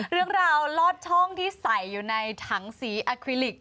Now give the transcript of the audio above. เรื่องราวลอดช่องที่ใส่อยู่ในถังสีอาคลิลิก